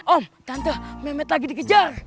om tante memet lagi dikejar